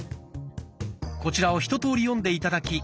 こちらを一とおり読んで頂き